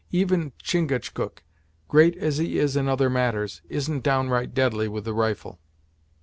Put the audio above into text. Even Chingachgook, great as he is in other matters, isn't downright deadly with the rifle."